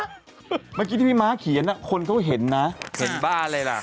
เมื่อกี้ที่พี่ม้าเขียนคนเขาเห็นนะเห็นบ้านอะไรล่ะ